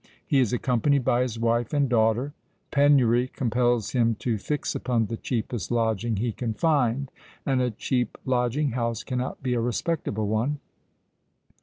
He is accompanied by his wife and daughter. Penury compels him to fix upon the cheapest lodging he can find; and a cheap lodging house cannot be a respectable one.